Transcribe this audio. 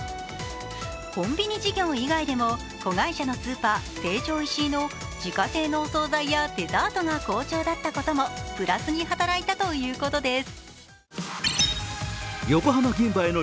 コンビニ事業以外でも、子会社のスーパー、成城石井の自家製のお総菜やデザートが好調だったこともプラスに働いたということです。